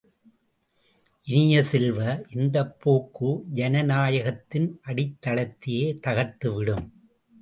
இனிய செல்வ, இந்தப் போக்கு ஜனநாயகத்தின் அடித்தளத்தையே தகர்த்து விடும்.